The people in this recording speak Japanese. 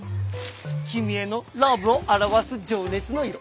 君へのラブを表す情熱の色。